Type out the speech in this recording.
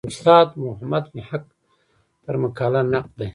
استاد محمد محق پر مقاله نقد دی.